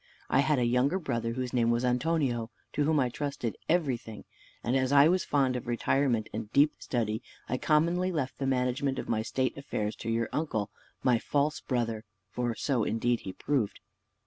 I had a younger brother, whose name was Antonio, to whom I trusted everything; and as I was fond of retirement and deep study, I commonly left the management of my state affairs to your uncle, my false brother (for so indeed he proved).